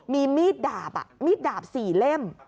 มีมีดดาบมีดดาบ๔เล่ม